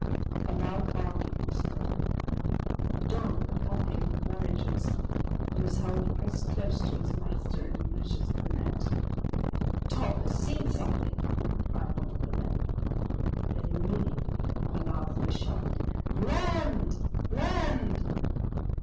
A loud barking was heard. A dog accompanied the voyagers, and was held pressed close to his master in the meshes of the net. "Top has seen something," cried one of the men. Then immediately a loud voice shouted, "Land! land!"